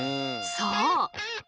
そう！